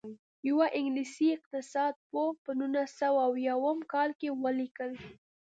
یوه انګلیسي اقتصاد پوه په نولس سوه اویاووه کال کې ولیکل.